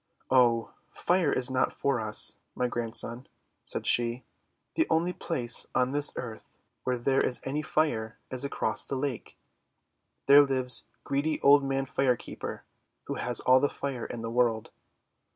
"Oh, Fire is not for us, my Grandson," said she. 'The only place on this Earth where there is any Fire is across the lake. There lives greedy Old Man Fire Keeper, who has all the Fire in the world."